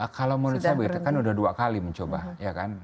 kalau menurut saya begitu kan sudah dua kali mencoba ya kan